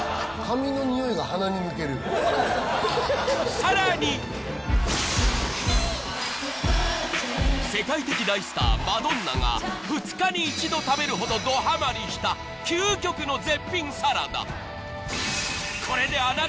更に世界的大スターマドンナが２日に１度食べるほどドハマりした究極の絶品サラダ